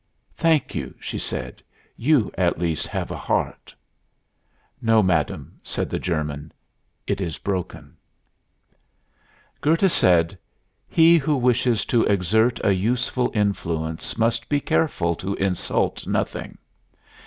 "Thank you," she said; "you, at least, have a heart." "No, madam," said the German; "it is broken." Goethe said: "He who wishes to exert a useful influence must be careful to insult nothing....